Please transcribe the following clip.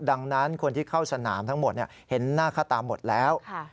ดังนั้นคนที่เข้าสนามทั้งหมดเห็นหน้าค่าตาหมดแล้ว